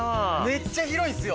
めっちゃ広いですよ。